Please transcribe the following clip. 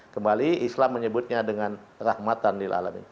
kembali islam menyebutnya dengan rahmatan lil'alamin